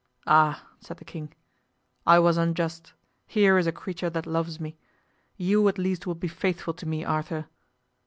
"Ah!" said the king, "I was unjust; here is a creature that loves me. You at least will be faithful to me, Arthur."